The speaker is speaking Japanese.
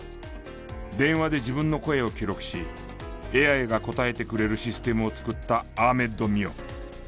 電話で自分の声を記録しＡＩが答えてくれるシステムを作ったアーメッド弥央。